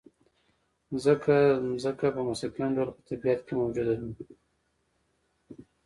ځکه ځمکه په مستقیم ډول په طبیعت کې موجوده ده.